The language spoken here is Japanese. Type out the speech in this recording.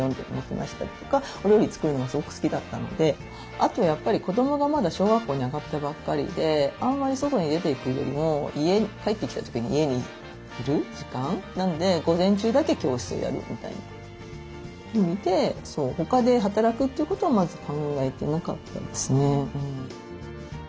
あとやっぱり子どもがまだ小学校に上がったばっかりであんまり外に出ていくよりも帰ってきた時に家にいる時間なんで午前中だけ教室をやるみたいな意味で他で働くということはまず考えてなかったですね。